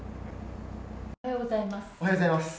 おはようございます。